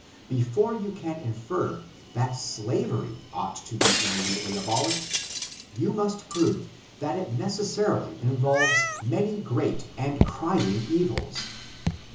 Before you can infer, that slavery ought to be immediately abolished, you must prove that it neoeuarily involves many great and crying evils.